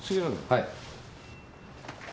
はい。